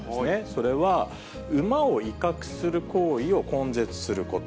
それは、馬を威嚇する行為を根絶すること。